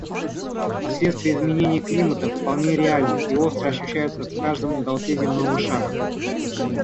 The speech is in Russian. Последствия изменения климата вполне реальны и остро ощущаются в каждом уголке земного шара.